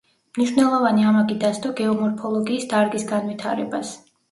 მნიშვნელოვანი ამაგი დასდო გეომორფოლოგიის დარგის განვითარებას.